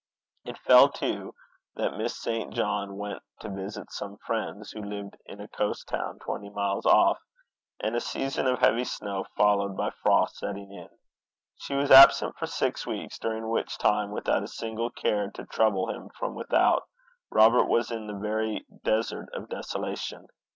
It fell, too, that Miss St. John went to visit some friends who lived in a coast town twenty miles off; and a season of heavy snow followed by frost setting in, she was absent for six weeks, during which time, without a single care to trouble him from without, Robert was in the very desert of desolation.